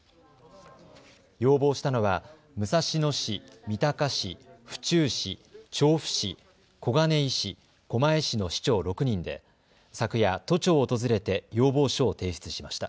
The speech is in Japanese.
要望したのは武蔵野市、三鷹市、府中市、調布市、小金井市、狛江市の市長６人で昨夜、都庁を訪れて要望書を提出しました。